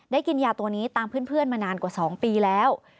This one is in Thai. กินยาตัวนี้ตามเพื่อนมานานกว่า๒ปีแล้ว